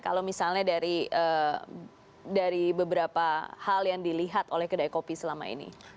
kalau misalnya dari beberapa hal yang dilihat oleh kedai kopi selama ini